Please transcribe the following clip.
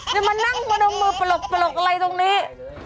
อย่ามานั่งมาดมือปลกอะไรตรงนี้